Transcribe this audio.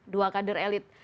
dua kader elit